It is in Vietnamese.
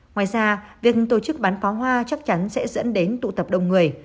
ngoài ra việc tổ chức bán pháo hoa chắc chắn sẽ dẫn đến tụ tập đông người